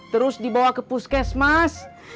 terus dibawa ke puskes mas